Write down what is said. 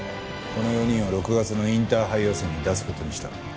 この４人を６月のインターハイ予選に出す事にした。